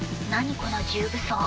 この重武装。